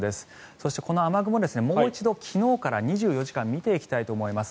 そして、この雨雲もう一度昨日から２４時間見ていきたいと思います。